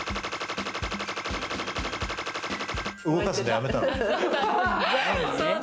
動かすの、やめたんです。